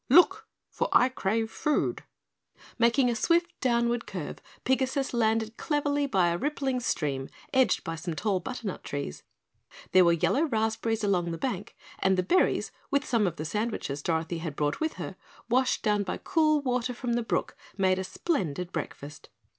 Look! For I crave food!" Making a swift downward curve, Pigasus landed cleverly by a rippling stream edged by some tall butternut trees. There were yellow raspberries along the bank and the berries, with some of the sandwiches Dorothy had brought with her, washed down by cool water from the brook made a splendid breakfast.